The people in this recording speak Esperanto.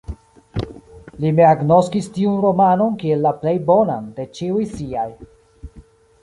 Li mem agnoskis tiun romanon kiel la plej bonan de ĉiuj siaj.